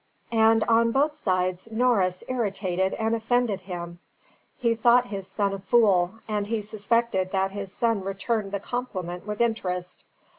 And on both sides Norris irritated and offended him. He thought his son a fool, and he suspected that his son returned the compliment with interest.